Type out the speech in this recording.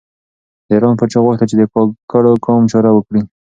د ایران پاچا غوښتل چې د کاکړو قام چاره وکړي.